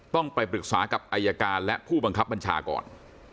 ต้องไปปรึกษากับอายการและผู้บังคับบัญชาก่อน